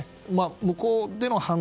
向こうでの犯罪